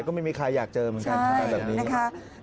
ก็ไม่มีใครอยากเจอเหมือนกันคล้ายแบบนี้